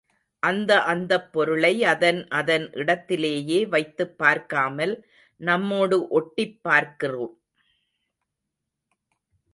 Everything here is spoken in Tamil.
அந்த அந்தப் பொருளை அதன் அதன் இடத்திலேயே வைத்துப் பார்க்காமல் நம்மோடு ஒட்டிப் பார்க்கிறோம்.